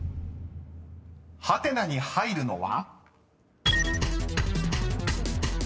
［ハテナに入るのは？］